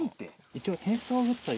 一応。